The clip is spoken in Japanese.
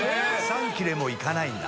３切れもいかないんだ。